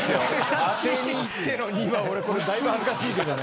当てにいっての２は、これはだいぶ恥ずかしいけどね。